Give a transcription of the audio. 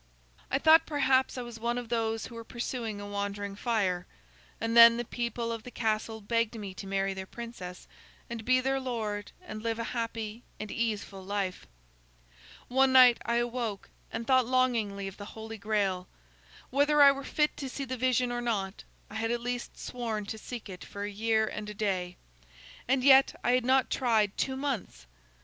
I thought perhaps I was one of those who were pursuing a wandering fire. And then the people of the castle begged me to marry their princess, and be their lord and live a happy and easeful life. "One night I awoke, and thought longingly of the Holy Grail. Whether I were fit to see the vision or not, I had at least sworn to seek it for a year and a day. And yet, I had not tried two months!